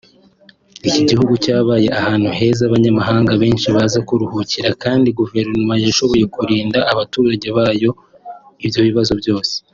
Iki gihugu cyabaye ahantu heza abanyamahanga benshi baza kuruhukira kandi Guverinoma yashoboye kurinda abaturage bayo ibyo bibazo byose